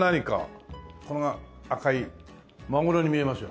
これが赤いマグロに見えますよね。